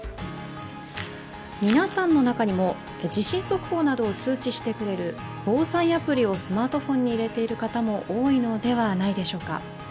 皆さんの中にも地震速報などを通知してくれる防災アプリなどをスマートフォンに入れている方も多いのではないでしょうか。